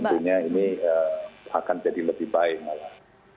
tentunya ini akan jadi lebih baik malah